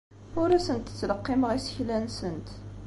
Ur asent-ttleqqimeɣ isekla-nsent.